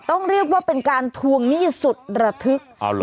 ต้องเรียกว่าเป็นการทวงหนี้สุดระทึก